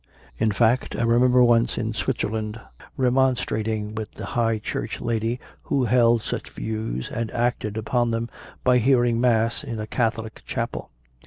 In fact I remember once in Swit zerland remonstrating with a High Church lady who held such views and acted upon them by hearing Mass in a Catholic chapel.